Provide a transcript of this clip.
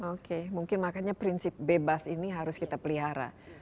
oke mungkin makanya prinsip bebas ini harus kita pelihara